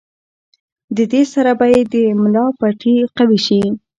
د دې سره به ئې د ملا پټې قوي شي